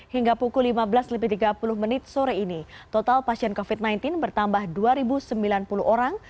hingga pukul lima belas tiga puluh menit sore ini total pasien covid sembilan belas bertambah dua sembilan puluh orang